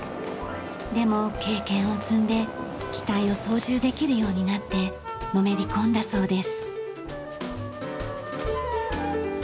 でも経験を積んで機体を操縦できるようになってのめり込んだそうです。